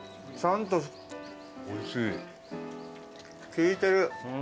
効いてる。